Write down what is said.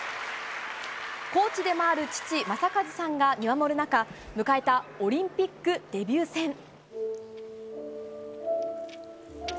コーチでもある父・正和さんが見守る中迎えたオリンピックデビュー戦。